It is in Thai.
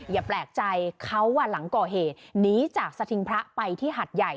อย่าแปลกใจเขาหลังก่อเหตุหนีจากสถิงพระไปที่หัดใหญ่